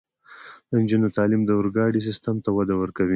د نجونو تعلیم د اورګاډي سیستم ته وده ورکوي.